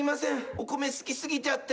お米好き過ぎちゃって。